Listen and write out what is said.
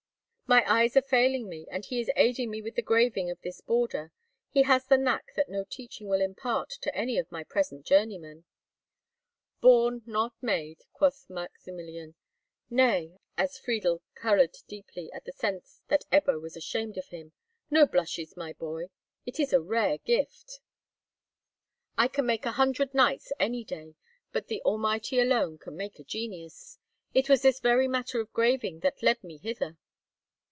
"My eyes are failing me, and he is aiding me with the graving of this border. He has the knack that no teaching will impart to any of my present journeymen." "Born, not made," quoth Maximilian. "Nay," as Friedel coloured deeper at the sense that Ebbo was ashamed of him, "no blushes, my boy; it is a rare gift. I can make a hundred knights any day, but the Almighty alone can make a genius. It was this very matter of graving that led me hither."